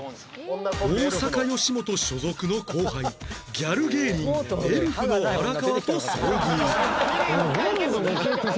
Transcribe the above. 大阪吉本所属の後輩ギャル芸人エルフの荒川と遭遇